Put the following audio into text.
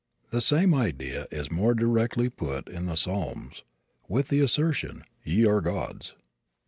The same idea is more directly put in the Psalms with the assertion, "ye are gods."